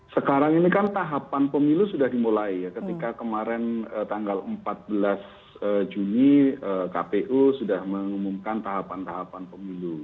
sekarang ini kan tahapan pemilu sudah dimulai ketika kemarin tanggal empat belas juni kpu sudah mengumumkan tahapan tahapan pemilu